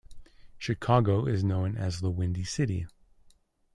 Chicago is known as the Windy City.